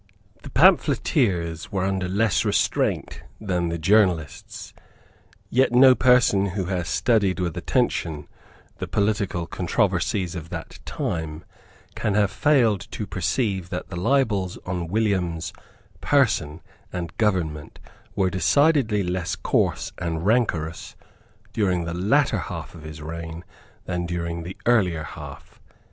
The pamphleteers were under less restraint than the journalists; yet no person who has studied with attention the political controversies of that time can have failed to perceive that the libels on William's person and government were decidedly less coarse and rancorous during the latter half of his reign than during the earlier half.